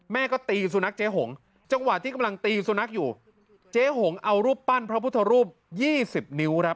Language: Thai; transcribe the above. แม่ก็ตีสุนัขเจ๊หงจังหวะที่กำลังตีสุนัขอยู่เจ๊หงเอารูปปั้นพระพุทธรูปยี่สิบนิ้วครับ